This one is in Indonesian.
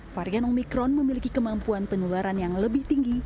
varian omikron memiliki kemampuan penularan yang lebih tinggi